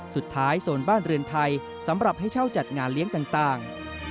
โซนบ้านเรือนไทยสำหรับให้เช่าจัดงานเลี้ยงต่าง